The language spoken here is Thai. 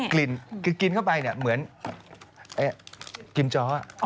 กลิ่นคือกินเข้าไปเนี่ยเหมือนกินจ้อ